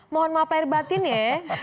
mohon maaf lahir batin ya